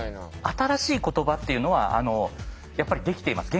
新しい言葉っていうのはやっぱりできています。